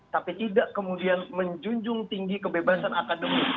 tapi tidak kemudian menjunjung tinggi kebebasan akademik